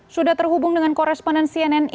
sudah terhubung dengan koresponden cnn indonesia